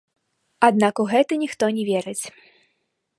Аднак у гэта ніхто не верыць.